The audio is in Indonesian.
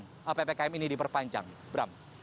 tapi mungkin ppkm ini diperpanjang bram